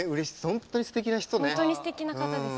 本当にすてきな方です。